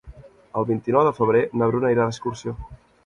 El vint-i-nou de febrer na Bruna irà d'excursió.